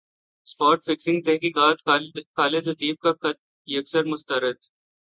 spot fixing تحقیقات خالد لطیف کا خط یکسر مسترد